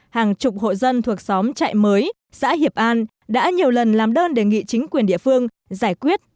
hàng chục hộ dân thuộc xóm trại mới xã hiệp an đã nhiều lần làm đơn đề nghị chính quyền địa phương giải quyết